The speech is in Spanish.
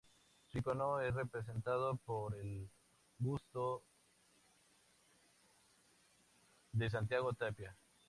Su icono es representado por el busto de Santiago Tapia.